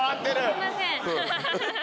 すいません。